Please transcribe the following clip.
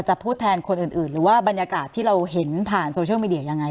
พูดแทนคนอื่นหรือว่าบรรยากาศที่เราเห็นผ่านโซเชียลมีเดียยังไง